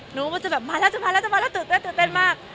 หนูก็จะแบบมาแล้วตื่นเต้นมาก